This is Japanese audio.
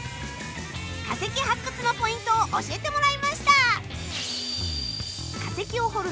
化石発掘のポイントを教えてもらいました！